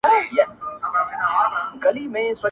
پر خره سپرېدل يو شرم، ځيني کښته کېدل ئې بل شرم.